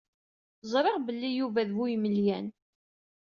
Ẓriɣ belli Yuba d bu imelyan.